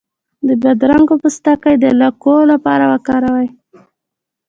د بادرنګ پوستکی د لکو لپاره وکاروئ